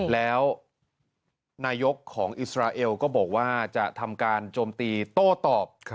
แล้วนายกของอิสราเอลก็บอกว่าจะทำการโจมตีโต้ตอบ